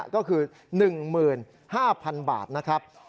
ก็คือ๑๕๐๐๐บาทนะครับ